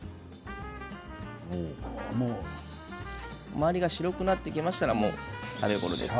周りが白くなってきましたら食べ頃ですね。